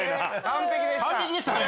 完璧でしたね。